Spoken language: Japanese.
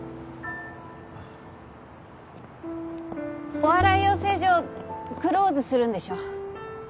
お笑い養成所クローズするんでしょ。